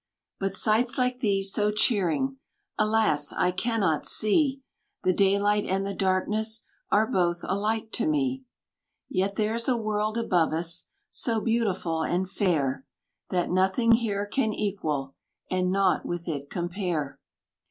But sights like these so cheering, Alas, I cannot see! The daylight and the darkness Are both alike to me. Yet there's a world above us, So beautiful and fair, That nothing here can equal, And nought with it compare.